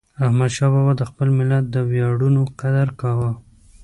احمدشاه بابا د خپل ملت د ویاړونو قدر کاوه.